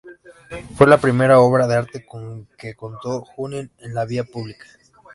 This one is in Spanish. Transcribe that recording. Fue la primera obra de arte con que contó Junín en la vía pública.